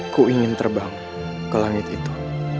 ku ingin terbang ke langit itu